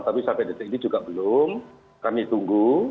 tapi sampai detik ini juga belum kami tunggu